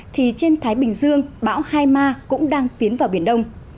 thì trên thái bình dương bão hai ma cũng đang tiến vào biển đông